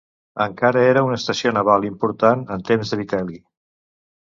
Encara era una estació naval important en temps de Vitel·li.